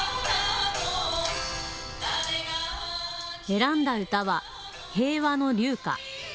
選んだ歌は平和の琉歌。